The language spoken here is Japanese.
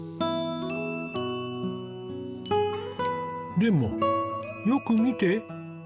でもよく見て。